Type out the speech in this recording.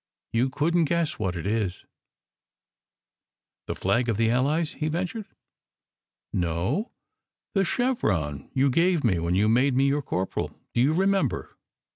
You couldn t guess what it is !" "The flag of the Allies? " he ventured. " No. The chevron you gave me when you made me your corporal. Do you remember?"